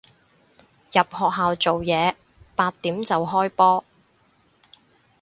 入學校做嘢，八點就開波